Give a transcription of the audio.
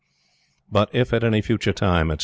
but if, at any future time, etc.